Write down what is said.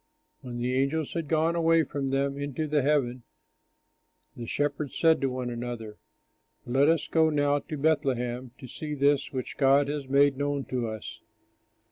When the angels had gone away from them into heaven, the shepherds said to one another, "Let us go now to Bethlehem to see this which God has made known to us."